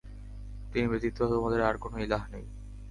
তিনি ব্যতীত তোমাদের আর কোন ইলাহ নেই।